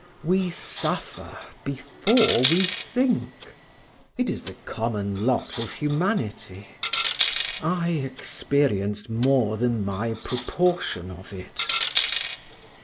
We suffer before we think; it is the common lot of humanity. I experienced more than my proportion of it.